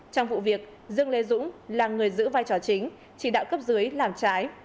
trong vụ việc dương lê dũng là người giữ vai trò chính chỉ đạo cấp dưới làm trái